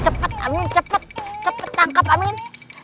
cepat amin cepat cepat tangkap amin